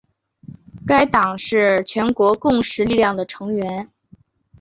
该党是全国共识力量的成员。